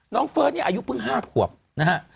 น้องเฟิร์ดนี่อายุเพิ่ง๕ขวบนะฮะ